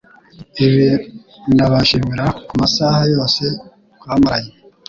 Ibi ndabashimira kumasaha yose twamaranye